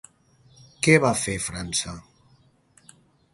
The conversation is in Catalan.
Què va fer França?